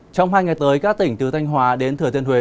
trong hai ngày tới các tỉnh từ thanh hóa đến thừa thiên huế